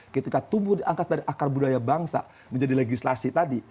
ketika tumbuh diangkat dari akar budaya bangsa menjadi legislasi tadi